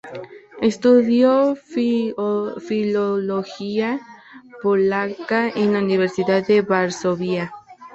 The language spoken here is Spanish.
Estudió Filología Polaca en la Universidad de Varsovia.